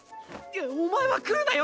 お前は来るなよ